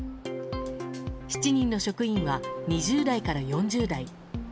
７人の職員は２０代から４０代。